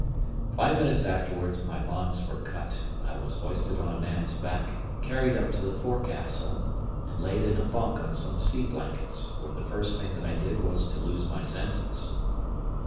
Five minutes afterwards my bonds were cut, I was hoisted on a man's back, carried up to the forecastle, and laid in a bunk on some sea blankets; where the first thing that I did was to lose my senses.